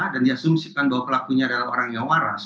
dan diasumsikan bahwa pelakunya adalah orang yang waras